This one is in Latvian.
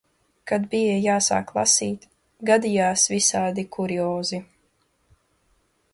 Kad bija jāsāk lasīt, gadījās visādi kuriozi.